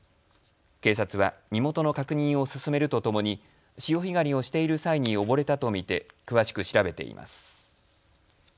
警察は身元の確認を進めるとともに潮干狩りをしている際に溺れたと見て詳しく調べています。